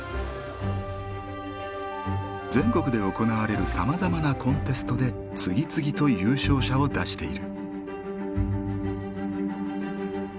全国で行われるさまざまなコンテストで次々と優勝者を出している。